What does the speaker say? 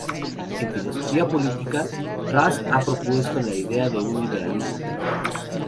En filosofía política, Raz ha propuesto la idea de un Liberalismo perfecto.